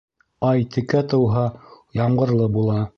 Ай текә тыуһа, ямғырлы була.